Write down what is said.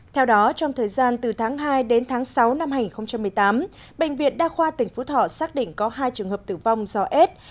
theo đó trong thời gian từ tháng hai đến tháng sáu năm hai nghìn một mươi tám bệnh viện đa khoa tỉnh phú thọ xác định có hai trường hợp tử vong do aids